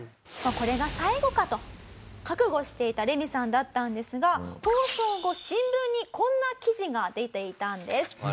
これが最後かと覚悟していたレミさんだったんですが放送後新聞にこんな記事が出ていたんです。